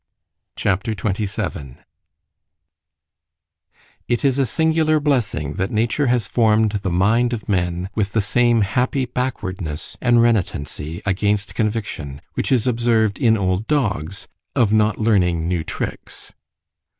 C H A P. XXVII IT is a singular blessing, that nature has form'd the mind of man with the same happy backwardness and renitency against conviction, which is observed in old dogs—"of not learning new tricks."